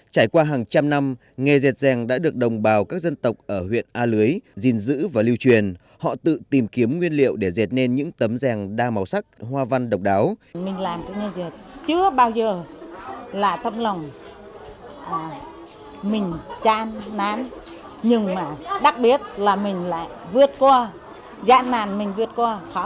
trải qua hàng trăm năm nghề dệt ràng đã được đồng bào các dân tộc ở huyện a lưới gìn giữ và lưu truyền họ tự tìm kiếm nguyên liệu để dệt nên những tấm ràng đa màu sắc hoa văn độc đáo